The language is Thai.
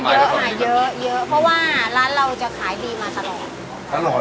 เพราะว่าร้านเราจะขายดีมาตลอด